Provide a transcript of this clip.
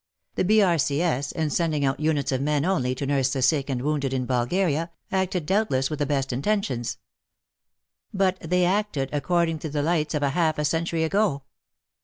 The B.R.C.S., in sending out units of men only to nurse the sick and wounded in Bulgaria, acted doubtless with the best intentions. But they acted according to the lights of half a century ago.